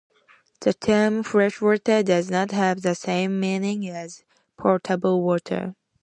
The term "fresh water" does not have the same meaning as potable water.